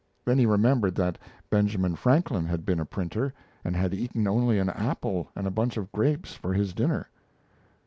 Then he remembered that Benjamin Franklin had been a printer and had eaten only an apple and a bunch of grapes for his dinner.